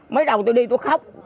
mới đầu tôi đi tôi khóc